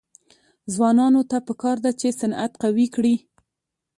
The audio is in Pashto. ځوانانو ته پکار ده چې، صنعت قوي کړي.